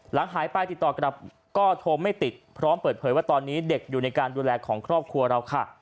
หลังหายไปติดต่อกลับก็โทรไม่ติดพร้อมเปิดเผยว่าตอนนี้เด็กอยู่ในการดูแลของครอบครัวเราค่ะ